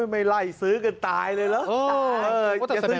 ไม่ไล่ซื้อกันตายเลยเหรอ